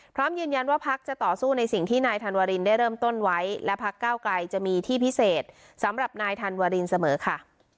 พร้อมยืนยันว่าพักจะต่อสู้ในสิ่งที่นายธันวารินได้เริ่มต้นไว้และพักเก้าไกลจะมีที่พิเศษสำหรับนายธันวารินเสมอค่ะ